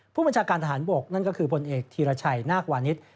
ผู้บัญชาการทหารบกนั่นก็คือผลเอกธีรชัยนาควานิส